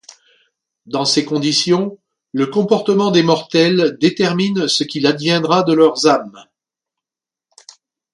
Dans ces conditions, le comportement des mortels détermine ce qu'il adviendra de leurs âmes.